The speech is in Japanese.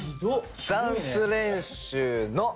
ダンス練習の！